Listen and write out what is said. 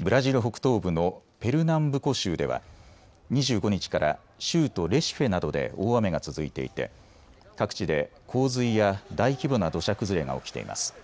ブラジル北東部のペルナンブコ州では２５日から州都レシフェなどで大雨が続いていて各地で洪水や大規模な土砂崩れが起きています。